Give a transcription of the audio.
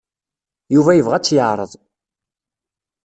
Yuba yebɣa ad tt-yeɛreḍ.